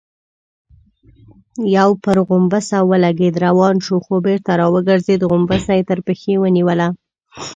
يو پر غومبسه ولګېد، روان شو، خو بېرته راوګرځېد، غومبسه يې تر پښې ونيوله.